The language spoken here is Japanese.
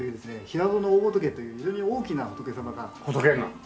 平戸の大仏という非常に大きな仏様が。